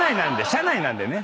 社内なんでね。